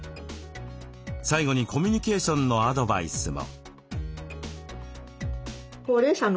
最後にコミュニケーションのアドバイスも。